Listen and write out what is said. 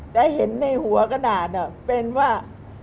ได้เห็นในหัวกระดาษอ่ะเป็นว่า